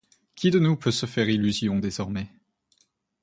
Qui de nous peut se faire illusion désormais?